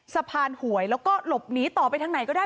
หวยแล้วก็หลบหนีต่อไปทางไหนก็ได้